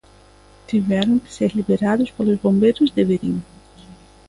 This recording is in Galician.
Tiveron que ser liberados polos bombeiros de Verín.